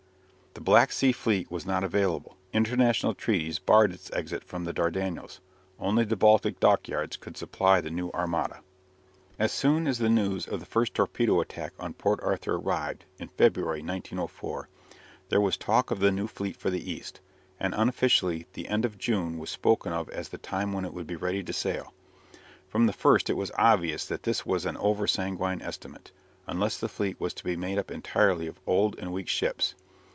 The Black Sea fleet was not available. International treaties barred its exit from the Dardanelles. Only the Baltic dockyards could supply the new armada. As soon as the news of the first torpedo attack on Port Arthur arrived, in February, 1904, there was talk of the new fleet for the East, and unofficially the end of June was spoken of as the time when it would be ready to sail. From the first it was obvious that this was an over sanguine estimate, unless the fleet was to be made up entirely of old and weak ships.